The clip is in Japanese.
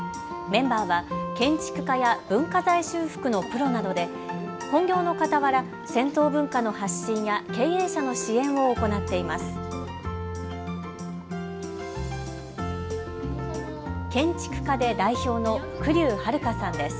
メンバーは建築家や文化財修復のプロなどで本業のかたわら銭湯文化の発信や経営者の支援を行っています。